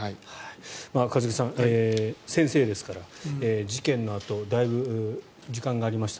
一茂さん、先生ですから事件のあとだいぶ時間がありました。